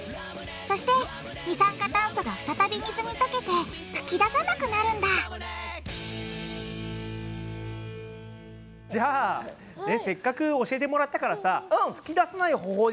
そして二酸化炭素が再び水に溶けて噴き出さなくなるんだじゃあせっかく教えてもらったからさ噴き出さない方法でやってみましょうよ。